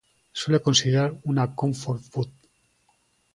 Suele considerar una "comfort food".